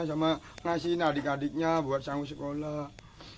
sama ngasihin adik adiknya buat sanggup sekolah